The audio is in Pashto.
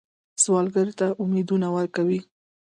سوالګر ته امیدونه ورکوئ